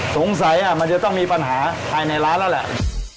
สงสัยมันจะต้องมีปัญหาภายในร้านแล้วแหละ